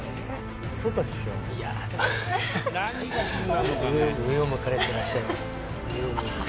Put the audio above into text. いや上を向かれてらっしゃいます